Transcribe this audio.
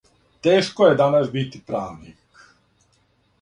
Тешко је данас бити правник.